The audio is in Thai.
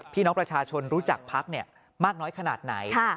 พี่น้องประชาชนรู้จักพักมากน้อยขนาดไหน